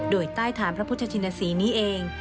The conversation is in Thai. โดยใต้ฐานพระพุทธชินศรีนี้เอง